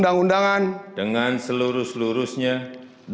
dan seluruh peraturan perundang undangan